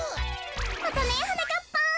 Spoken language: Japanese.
またねはなかっぱん。